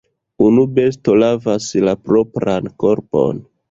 Unu besto lavas la propran korpon.